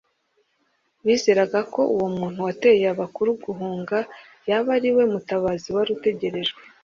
Bizeraga ko uwo muntu watcye abakuru guhunga yaba ariwe mutabazi wari utegerejwe.